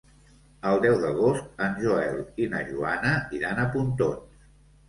El deu d'agost en Joel i na Joana iran a Pontons.